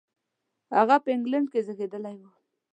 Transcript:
هغه په انګلېنډ کې زېږېدلی و.